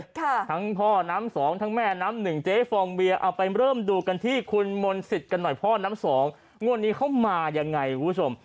ทั้งพ่อน้ำสองทั้งแม่น้ำหนึ่งเจ๊ฟองเบียเอาไปเริ่มดูกันที่คุณมนต์สิทธิ์กันหน่อยพ่อน้ำสองงวดนี้เขามายังไงคุณผู้ชม